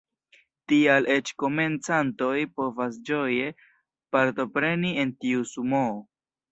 Tial eĉ komencantoj povas ĝoje partopreni en tiu Sumoo.